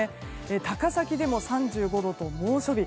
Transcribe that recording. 高崎でも３５度と猛暑日。